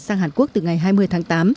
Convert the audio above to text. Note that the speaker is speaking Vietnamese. sang hàn quốc từ ngày hai mươi tháng tám